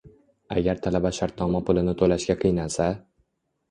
Agar talaba shartnoma pulini to‘lashga qiynalsa